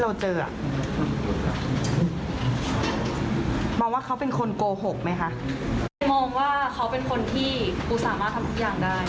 โดยไม่เคลียงกลัวต่อกฎหมาย